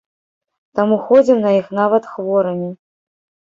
Таму ходзім на іх нават хворымі.